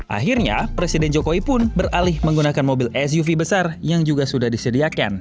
akhirnya presiden jokowi pun beralih menggunakan mobil suv besar yang juga sudah disediakan